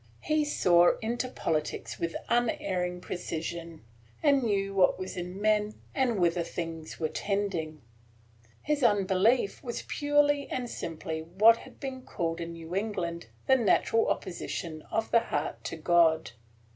He saw into politics with unerring precision, and knew what was in men, and whither things were tending. His unbelief was purely and simply what had been called in New England the natural opposition of the heart to God.